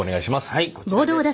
はいこちらです。